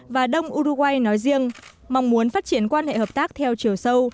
và đông uruguay nói riêng mong muốn phát triển quan hệ hợp tác theo chiều sâu